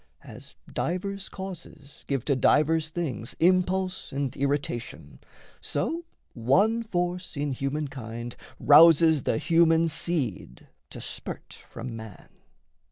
As divers causes give to divers things Impulse and irritation, so one force In human kind rouses the human seed To spurt from man.